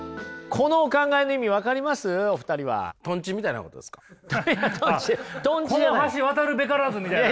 「この橋渡るべからず」みたいな？